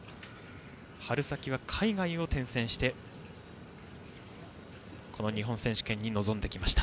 春先は海外を転戦してこの日本選手権に臨んできました。